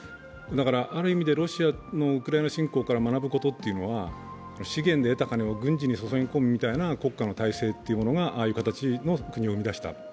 ある意味でロシアのウクライナ侵攻から学ぶことは、資源で得た金を軍事に注ぎ込むという国家の体制というものがああいう形の国を生み出した。